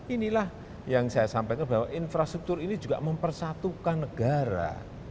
inilah yang saya sampaikan bahwa infrastruktur ini juga mempersatukan negara